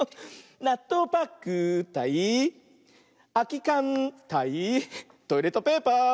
なっとうパックたいあきかんたいトイレットペーパー。